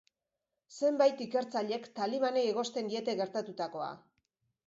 Zenbait ikertzailek talibanei egozten diete gertatutakoa.